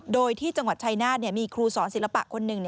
โดยที่จังหวัดชายนาฏมีครูสอนศิลปะคนหนึ่ง